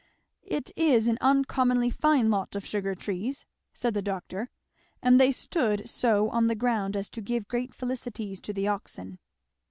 "It is an uncommonly fine lot of sugar trees," said the doctor, "and they stand so on the ground as to give great felicities to the oxen."